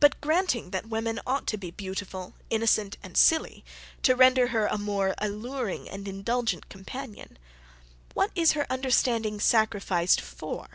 But, granting that woman ought to be beautiful, innocent, and silly, to render her a more alluring and indulgent companion what is her understanding sacrificed for?